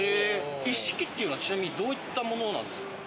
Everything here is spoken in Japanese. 一式っていうのは、どういったものなんですか？